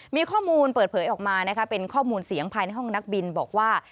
มีข้อมูลเปิดเผยออกมานะคะเป็นข้อมูลเสียงภายในห้องนักบินบอกว่า